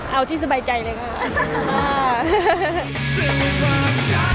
เอาที่สบายใจเลยค่ะ